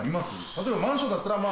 例えばマンションだったら。